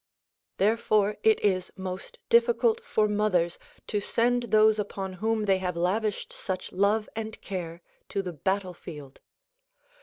Therefore it is most difficult for mothers to send those upon whom they have lavished such love and care, to the battlefield.